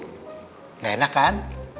tidak enak kan